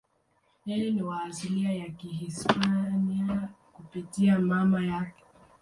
Yeye ni wa asili ya Kihispania kupitia mama yake.